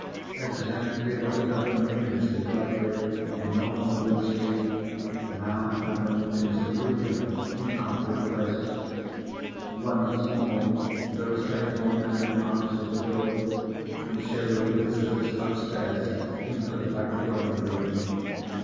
Exactly what had happened to Mr. Godfrey in Northumberland Street now happened to Mr. Luker in Alfred Place. Once more the respectable man answered the door, and showed the visitor upstairs into the back drawing room.